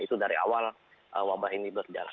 itu dari awal wabah ini berjalan